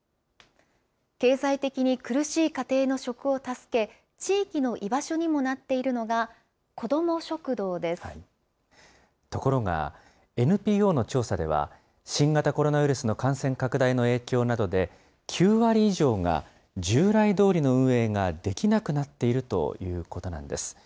経済的に苦しい家庭の食を助け、地域の居場所にもなっているのが、ところが、ＮＰＯの調査では、新型コロナウイルスの感染拡大の影響などで、９割以上が従来どおりの運営ができなくなっているということなんです。